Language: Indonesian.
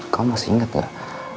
kau masih inget gak